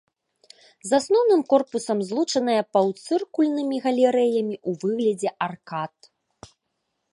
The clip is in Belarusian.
З асноўным корпусам злучаныя паўцыркульнымі галерэямі ў выглядзе аркад.